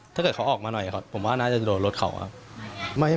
ถ้าเกิดเขาออกมาหน่อยครับผมว่าน่าจะโดนรถเขาครับ